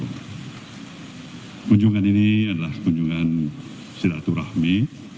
dan kunjungan ini adalah kunjungan siratu rahmi